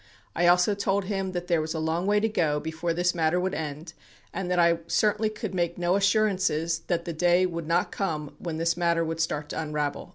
I also told him that there was a long wav to go before this matter would end and that I certainly could make no assurances that the day would not come when this matter would start to unravel